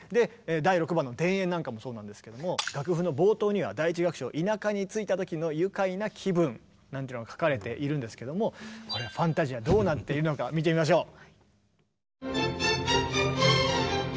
第６番の「田園」なんかもそうなんですけれども楽譜の冒頭には第１楽章「田舎に着いた時の愉快な気分」なんていうのが描かれているんですけども「ファンタジア」どうなっているのか見てみましょう。